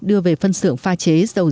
đưa về phân xưởng pha chế dầu giả